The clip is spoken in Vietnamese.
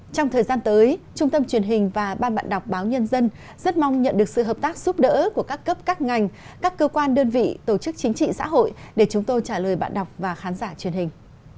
trong thời gian tới trung tâm truyền hình và ban bạn đọc báo nhân dân rất mong nhận được sự hợp tác giúp đỡ của các cấp các ngành các cơ quan đơn vị tổ chức chính trị xã hội để chúng tôi trả lời bạn đọc và khán giả truyền hình